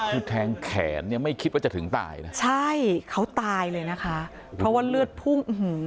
คือแทงแขนเนี่ยไม่คิดว่าจะถึงตายนะใช่เขาตายเลยนะคะเพราะว่าเลือดพุ่ง